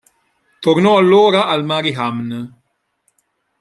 Tornò allora al Mariehamn.